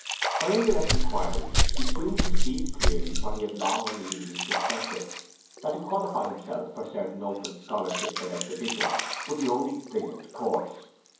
By indirect inquiries he soon perceived clearly what he had long uneasily suspected, that to qualify himself for certain open scholarships and exhibitions was the only brilliant course.